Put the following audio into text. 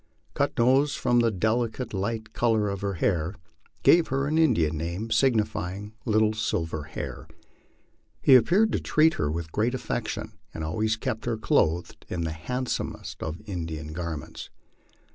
" Cut Nose," from the delicate light color of her hair, gave her an Indian name signifying " Little Silver Hair." He appeared to treat her with great affection, and always kept her clothed in the handsomest of Indian garments.